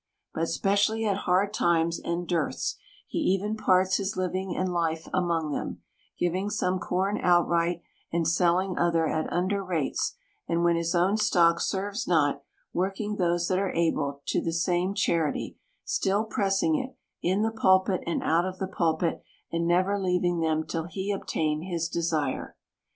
But specially at hard times and dearths, he even parts his living and life among them ; giving some corn outright, and selling other at under rates ; and, when his own stock serves not, working those that are able to the same charity, still pressing it, in the pulpit and out of the pulpit, and never leaving them till he obtain his desire.